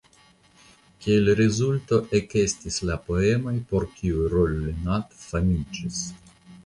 Kiel rezulto ekestis la poemoj por kiuj Rollinat famiĝis.